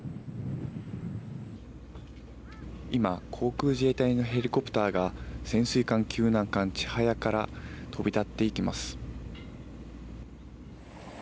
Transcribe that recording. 今、航空自衛隊のヘリコプターが潜水艦救難艦ちはやから飛び立っていきます。